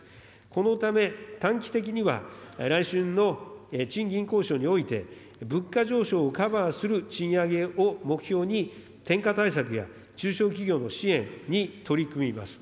このため短期的には、来春の賃金交渉において、物価上昇をカバーする賃上げを目標に、転嫁対策や中小企業の支援に取り組みます。